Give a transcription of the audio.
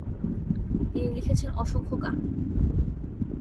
তিনি লিখেছেন অসংখ গান।